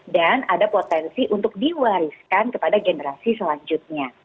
dan ada potensi untuk diwariskan kepada generasi selanjutnya